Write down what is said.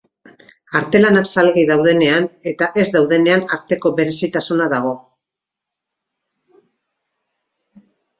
Artelanak salgai daudenen eta ez daudenen arteko berezitasuna dago.